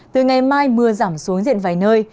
từ ngày mai mưa giảm xuống diện vài nơi